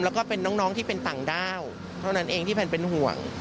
แล้วก็เป็นน้องที่เป็นต่างด้าวเท่านั้นเองที่แพนเป็นห่วง